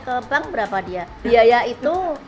ke bank berapa dia biaya itu